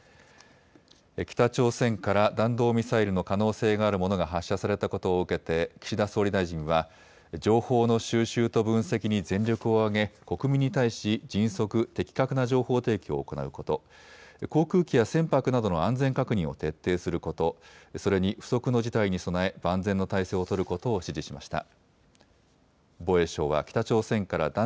北朝鮮から弾道ミサイルの可能性があるものが発射されたことを受けて岸田総理大臣は情報の収集と分析に全力を挙げ国民に対し迅速、的確な情報提供を行うこと、航空機や船舶などの安全確認を徹底すること、それに不測の事態に備え万全の態勢を取ることを指示しました。